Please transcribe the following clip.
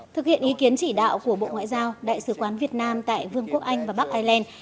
thực hiện ý kiến chỉ đạo của bộ ngoại giao đại sứ quán việt nam tại vương quốc anh và bắc ireland